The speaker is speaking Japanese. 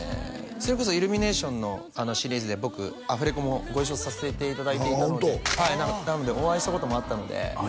それこそイルミネーションのシリーズで僕アフレコもご一緒させていただいていたのでなのでお会いしたこともあったのでああ